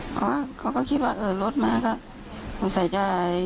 เพราะว่าเขาก็คิดว่าเออรถมาก็สงสัยจะอะไร